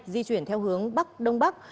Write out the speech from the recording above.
di chuyển theo hướng bắc đông bắc